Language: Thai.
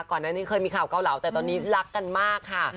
ก่อนหน้านี้เคยมีข่าวเกาเหลาแต่ตอนนี้รักกันมากค่ะ